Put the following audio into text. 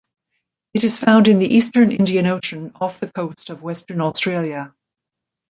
It is found in the eastern Indian Ocean off the coast of Western Australia.